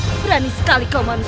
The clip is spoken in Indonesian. berani sekali kau manusia